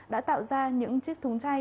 đã tạo ra những chiếc thúng chay